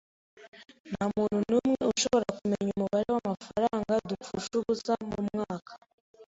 Ntamuntu numwe ushobora kumenya umubare wamafaranga dupfusha ubusa mumwaka.